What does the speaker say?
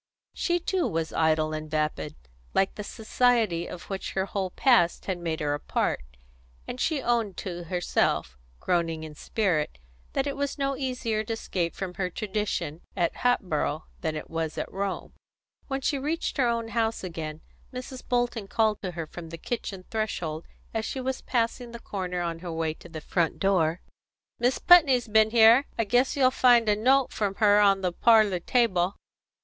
She too was idle and vapid, like the society of which her whole past had made her a part, and she owned to herself, groaning in spirit, that it was no easier to escape from her tradition at Hatboro' than it was at Rome. When she reached her own house again, Mrs. Bolton called to her from the kitchen threshold as she was passing the corner on her way to the front door: "Mis' Putney's b'en here. I guess you'll find a note from her on the parlour table."